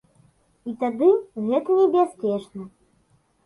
І тады гэта небяспечна.